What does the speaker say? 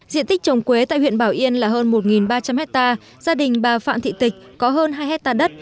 diện tích trồng quế tại huyện bảo yên là hơn một ba trăm linh hectare gia đình bà phạm thị tịch có hơn hai hectare đất